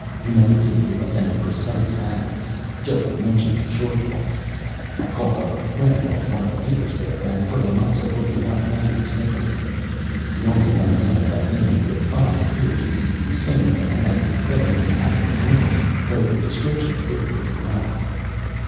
He never did give us any precise address; he just mentioned Detroit once. I called up a friend on one of the papers there and put him up to looking up Thaddeus McIlvaine; the only young man of that name he could find appeared to be the same man as the present inhabitant's uncle, though the description fit pretty well."